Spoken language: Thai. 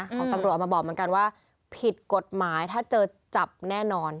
ของตำรวจออกมาบอกเหมือนกันว่าผิดกฎหมายถ้าเจอจับแน่นอน